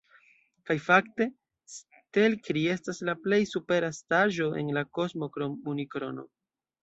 Kaj fakte, Stelkri estas la plej supera estaĵo en la kosmo krom Unikrono.